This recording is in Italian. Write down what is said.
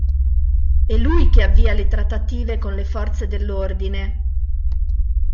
È lui che avvia le trattative con le forze dell'ordine.